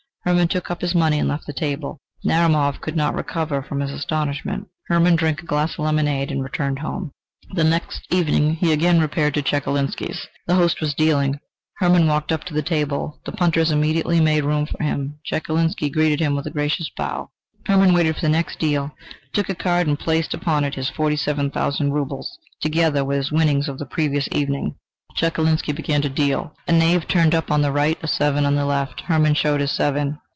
Hermann took up his money and left the table. Narumov could not recover from his astonishment. Hermann drank a glass of lemonade and returned home. The next evening he again repaired to Chekalinsky's. The host was dealing. Hermann walked up to the table; the punters immediately made room for him. Chekalinsky greeted him with a gracious bow. Hermann waited for the next deal, took a card and placed upon it his forty seven thousand roubles, together with his winnings of the previous evening. Chekalinsky began to deal. A knave turned up on the right, a seven on the left. Hermann showed his seven.